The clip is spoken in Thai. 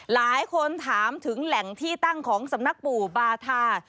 หลายคนถามถึงแหล่งที่ตั้งของสำนักปู่บาธา